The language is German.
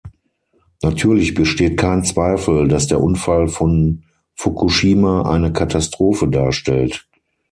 Natürlich besteht kein Zweifel, dass der Unfall von Fukushima eine Katastrophe darstellt.